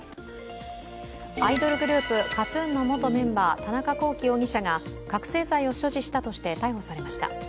アイドルグループＫＡＴ−ＴＵＮの元メンバー田中聖容疑者が覚醒剤を所持したとして逮捕されました。